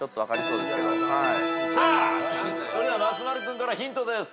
それでは松丸君からヒントです。